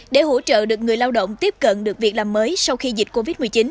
để hỗ trợ được người lao động tiếp cận được việc làm mới sau khi dịch covid một mươi chín